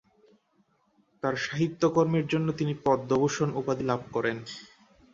তার সাহিত্যকর্মের জন্য তিনি পদ্মভূষণ উপাধি লাভ করেন।